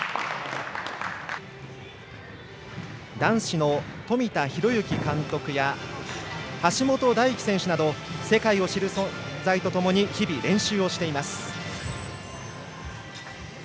男子の冨田洋之監督や橋本大輝選手など世界を知る存在とともに日々、練習をしています。